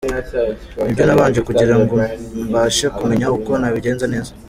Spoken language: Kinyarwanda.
Ni byo nabanje kugira ngo mbashe kumenya uko nabigenza neza.